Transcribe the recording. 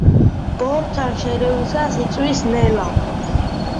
ბორთან შერევისას იწვის ნელა.